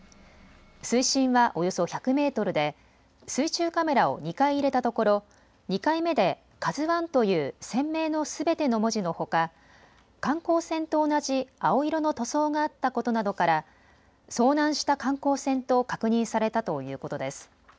水深はおよそ１００メートルで水中カメラを２回入れたところ２回目でＫＡＺＵＩという船名のすべての文字のほか観光船と同じ青色の塗装があったことなどから遭難した観光船と確認されたということです。